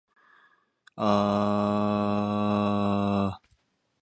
清らかで上品な文具のこと。また、それを用いて詩文を写すこと。